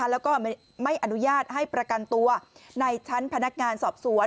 แล้วก็ไม่อนุญาตให้ประกันตัวในชั้นพนักงานสอบสวน